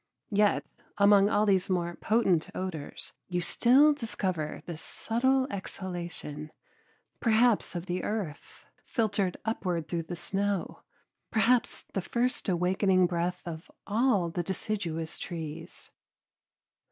Yet among all these more potent odors you still discover this subtle exhalation, perhaps of the earth filtered upward through the snow, perhaps the first awakening breath of all the deciduous trees.